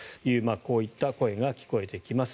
こういった声が聞こえてきます。